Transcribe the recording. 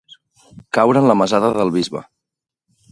Caure en la mesada del bisbe.